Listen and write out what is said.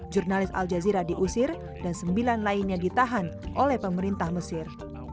jurnalis al jazeera diusir dan sembilan lainnya ditahan oleh pemerintah mesir